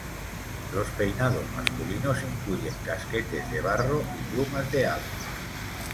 Los peinados masculinos incluyen casquetes de barro y plumas de aves.